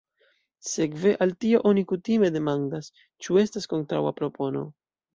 Sekve al tio oni kutime demandas, ĉu estas kontraŭa propono.